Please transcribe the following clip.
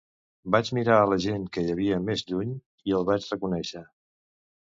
Vaig mirar a la gent que hi havia més lluny i el vaig reconèixer.